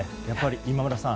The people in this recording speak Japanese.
今村さん